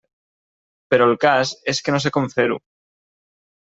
Però el cas és que no sé com fer-ho!